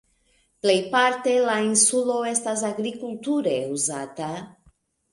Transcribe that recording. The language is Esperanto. Plejparte la insulo estas agrikulture uzata.